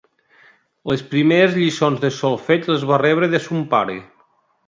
Les primeres lliçons de solfeig les va rebre de son pare.